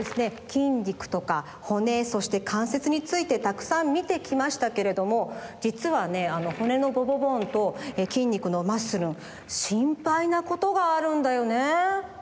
筋肉とか骨そして関節についてたくさんみてきましたけれどもじつはね骨のボボボーンと筋肉のマッスルンしんぱいなことがあるんだよね？